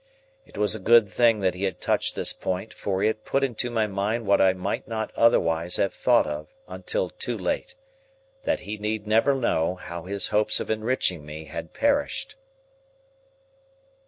It was a good thing that he had touched this point, for it put into my mind what I might not otherwise have thought of until too late,—that he need never know how his hopes of enriching me had perished.